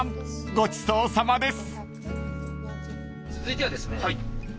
ごちそうさまです］